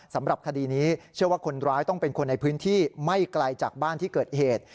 สำหรับคดีนี้เชื่อว่าคนร้ายต้องเป็นคนในพื้นที่ไม่ไกลจากบ้านที่เกิดเหตุ